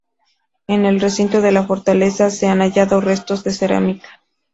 En el recinto de la fortaleza se han hallado restos de cerámica.